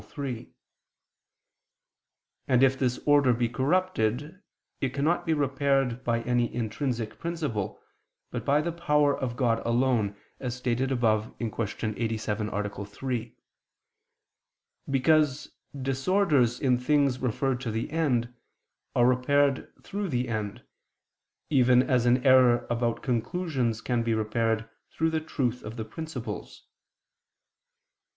3): and if this order be corrupted, it cannot be repaired by any intrinsic principle, but by the power of God alone, as stated above (Q. 87, A. 3), because disorders in things referred to the end, are repaired through the end, even as an error about conclusions can be repaired through the truth of the principles.